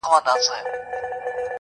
خپل که پردي دي، دلته پلونه وینم -